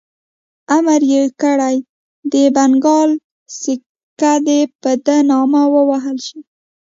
امر یې کړی د بنګال سکه دي په ده نامه ووهل شي.